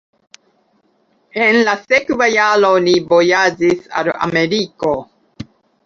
En la sekva jaro li vojaĝis al Ameriko.